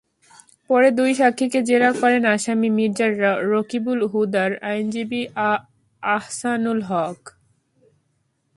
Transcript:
পরে দুই সাক্ষীকে জেরা করেন আসামি মির্জা রকিবুল হুদার আইনজীবী আহসানুল হক।